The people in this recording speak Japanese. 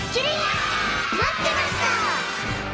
まってました！